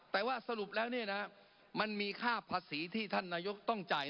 แต่ว่าสรุปแล้วมันมีค่าภาษีที่ท่านนายกต้องจ่าย